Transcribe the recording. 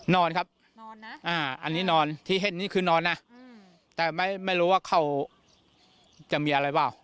นอนครับนอนนะอันนี้นอนที่เห็นนี่คือนอนนะแต่ไม่รู้ว่าเขาจะมีอะไรเปล่า